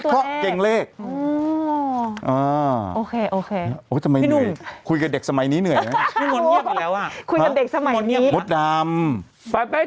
เกรงข้อสอบเกรงข้อสอบเกรงข้อสอบเกรงข้อสอบเกรงข้อสอบ